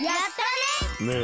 ねえ。